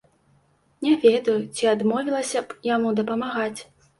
Не ведаю, ці адмовілася б яму дапамагаць.